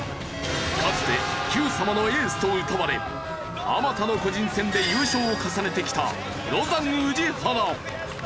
かつて『Ｑさま！！』のエースとうたわれ数多の個人戦で優勝を重ねてきたロザン宇治原。